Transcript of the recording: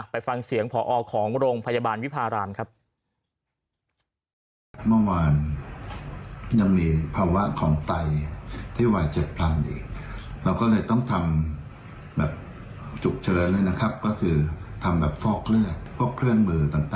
ไปฟังเสียงพอของโรงพยาบาลวิพารามครับ